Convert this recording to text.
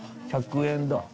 １００円だ。